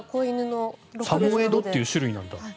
サモエドっていう種類なんだ。